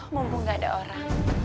mumpung gak ada orang